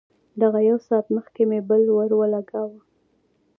دغه يو ساعت مخکې مې بل ورولګاوه.